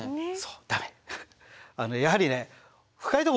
駄目。